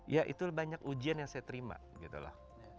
ya itu banyak ujian yang saya terima gitu loh